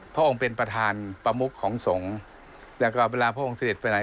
พระองค์เป็นประธานประมุขของสงฆ์แล้วก็เวลาพระองค์เสด็จไปไหน